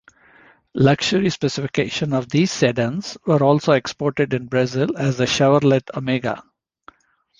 Luxury specifications of these sedans were also exported in Brazil as the Chevrolet Omega.